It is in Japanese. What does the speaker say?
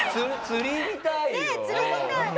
釣り見たい。